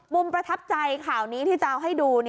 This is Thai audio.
ประทับใจข่าวนี้ที่จะเอาให้ดู